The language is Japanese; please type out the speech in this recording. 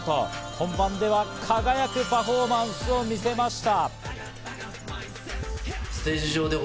本番では輝くパフォーマンスを見せました。